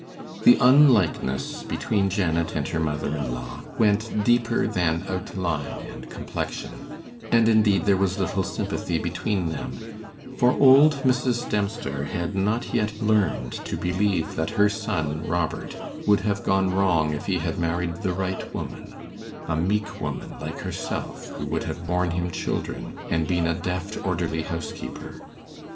The unlikeness between Janet and her mother in law went deeper than outline and complexion, and indeed there was little sympathy between them, for old Mrs. Dempster had not yet learned to believe that her son, Robert, would have gone wrong if he had married the right woman a meek woman like herself, who would have borne him children, and been a deft, orderly housekeeper.